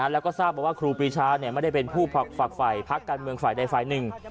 แล้วก็ทราบมาว่าครูปีชาไม่ได้เป็นผู้ฝักฝ่ายพักการเมืองฝ่ายใดฝ่ายหนึ่ง